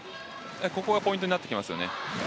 ここがポイントになってきます。